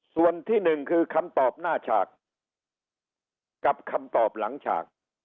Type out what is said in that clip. ส่วนที่หนึ่งคือคำตอบหน้าฉากกับคำตอบหลังฉาก